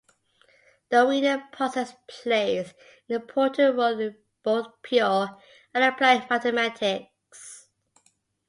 The Wiener process plays an important role in both pure and applied mathematics.